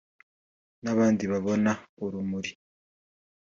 n’abandi babona urumuri